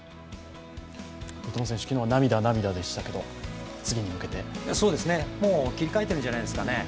三笘選手、昨日は涙、涙でしたけど切り替えてるんじゃないですかね。